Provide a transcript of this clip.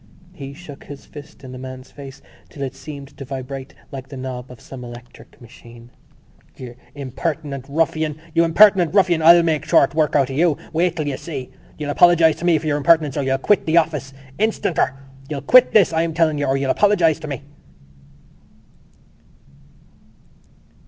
He shook his fist in the man's face till it seemed to vibrate like the knob of some electric machine: "You impertinent ruffian! You impertinent ruffian! I'll make short work of you! Wait till you see! You'll apologise to me for your impertinence or you'll quit the office instanter! You'll quit this, I'm telling you, or you'll apologise to me!"